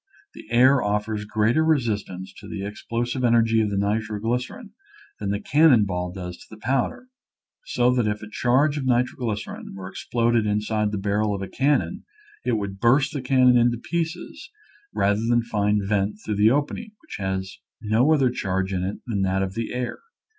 The air offers greater resistance to the ex plosive energy of nitroglycerin than the can non ball does to powder, so that if a charge of nitroglycerin were exploded inside of the barrel of a cannon it would burst the can non in pieces rather than find vent through the opening, which has no other charge in it than that of the air.